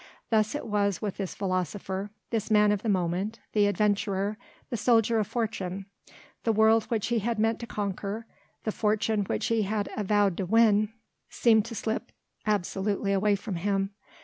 Thus it was with this philosopher, this man of the moment, the adventurer, the soldier of fortune; the world which he had meant to conquer, the fortune which he had vowed to win seemed to slip absolutely away from him.